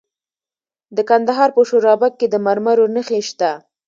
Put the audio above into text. د کندهار په شورابک کې د مرمرو نښې شته.